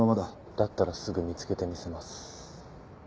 だったらすぐ見つけてみせます。